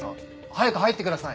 早く入ってください。